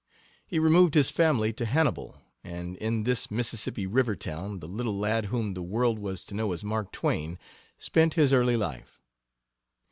He removed his family to Hannibal, and in this Mississippi River town the little lad whom the world was to know as Mark Twain spent his early life.